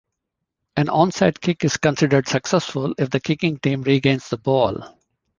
An onside kick is considered successful if the kicking team regains the ball.